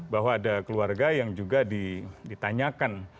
bahwa ada keluarga yang juga ditanyakan